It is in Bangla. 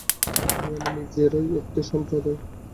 আমি আমার নিজেরই একটি সম্প্রদায়।